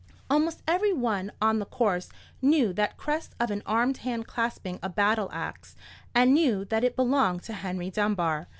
Almost every one on the course knew that crest of an armed hand clasping a battle axe, and knew that it belonged to Henry Dunbar.